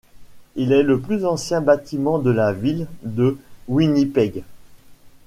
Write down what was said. Il est le plus ancien bâtiment de la Ville de Winnipeg.